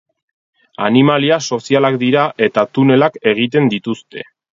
Animalia sozialak dira eta tunelak egiten dituzte.